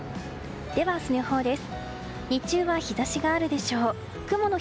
では、明日の予報です。